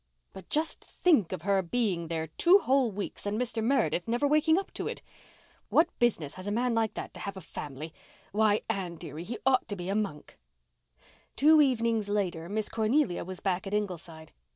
But just think of her being there two whole weeks and Mr Meredith never waking up to it! What business has a man like that to have a family? Why, Anne dearie, he ought to be a monk." Two evenings later Miss Cornelia was back at Ingleside.